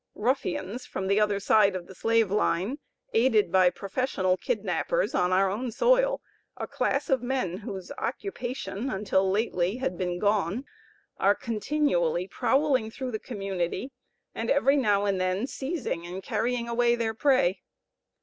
Ruffians from the other side of the Slave line, aided by professional kidnappers on our own soil, a class of men whose 'occupation' until lately, had been 'gone,' are continually prowling through the community, and every now and then seizing and carrying away their prey.